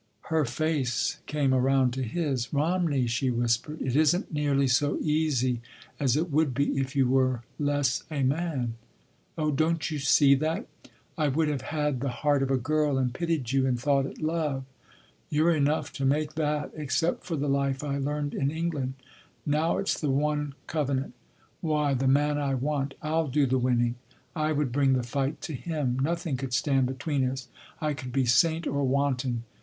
Her face came around to his. "Romney," she whispered. "It isn’t nearly so easy as it would be if you were less a man. Oh, don’t you see that? I would have had the heart of a girl and pitied you, and thought it love. You’re enough to make that—except for the life I learned in England. Now it’s the one covenant. Why, the man I want—I’ll do the winning. I would bring the fight to him. Nothing could stand between us. I could be saint or wanton.